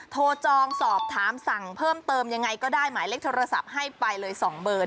จองสอบถามสั่งเพิ่มเติมยังไงก็ได้หมายเลขโทรศัพท์ให้ไปเลย๒เบอร์